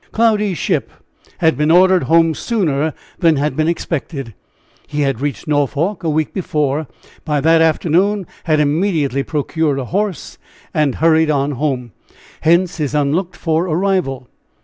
Cloudy's ship had been ordered home sooner than had been expected; he had reached Norfolk a week before, B that afternoon, and had immediately procured a horse and hurried on home. Hence his unlooked for arrival.